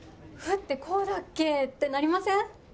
「ふ」ってこうだっけってなりません？